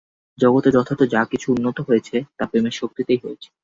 জগতে যথার্থ যা কিছু উন্নতি হয়েছে, তা প্রেমের শক্তিতেই হয়েছে।